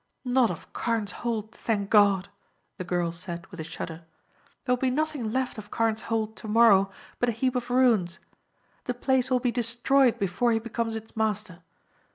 "Not of Carne's Hold, thank God!" the girl said with a shudder. "There will be nothing left of Carne's Hold to morrow but a heap of ruins. The place will be destroyed before he becomes its master.